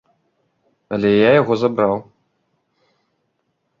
Але я яго забраў.